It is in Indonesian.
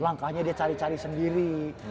langkahnya dia cari cari sendiri